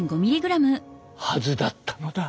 はずだったのだ。